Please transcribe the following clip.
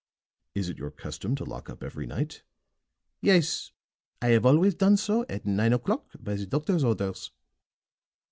"Is it your custom to lock up every night?" "Yes. I have always done so at nine o'clock by the doctor's orders."